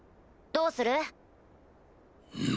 どうする？